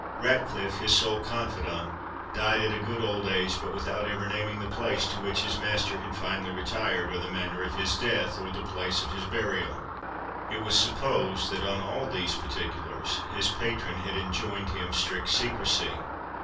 Ratcliffe, his sole confidant, died at a good old age, but without ever naming the place to which his master had finally retired, or the manner of his death, or the place of his burial. It was supposed that on all these particulars his patron had enjoined him strict secrecy.